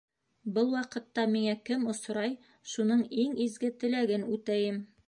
Был ваҡытта миңә кем осрай, шуның иң изге теләген үтәйем.